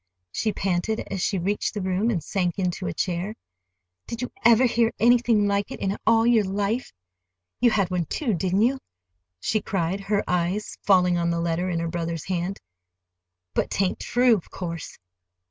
she panted, as she reached the room and sank into a chair. "Did you ever hear anything like it in all your life? You had one, too, didn't you?" she cried, her eyes falling on the letter in her brother's hand. "But 'tain't true, of course!"